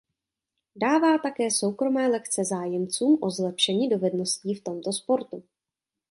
Dává také soukromé lekce zájemcům o zlepšení dovedností v tomto sportu.